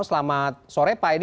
selamat sore pak edy